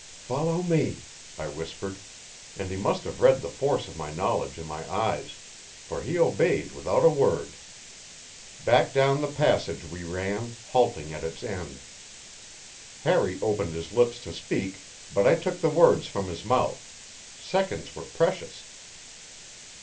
"Follow me," I whispered; and he must have read the force of my knowledge in my eyes, for he obeyed without a word. Back down the passage we ran, halting at its end. Harry opened his lips to speak, but I took the words from his mouth; seconds were precious.